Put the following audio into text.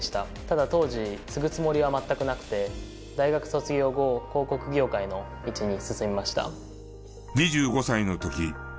ただ当時継ぐつもりは全くなくて大学卒業後広告業界の道に進みました。